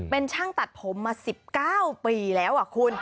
เป็นช่างตัดผมมา๑๙ปีแล้วคุณ